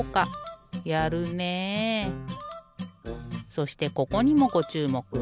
そしてここにもごちゅうもく。